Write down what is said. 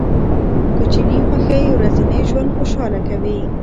کوچني خوښۍ ورځنی ژوند خوشحاله کوي.